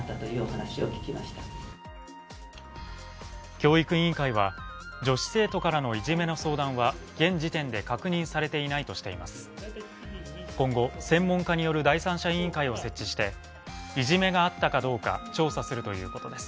教育委員会は女子生徒からのいじめの相談は現時点で確認されていないとしています。